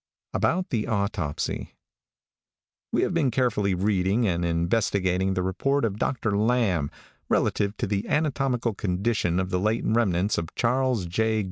ABOUT THE AUTOPSY. |WE have been carefully reading and investigating the report of Dr. Lamb, relative to the anatomical condition of the late remnants of Charles J.